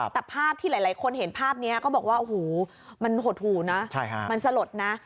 แต่ภาพที่หลายคนเห็นภาพนี้ก็บอกว่าโอ้โหมันหดหูนะมันสลดนะ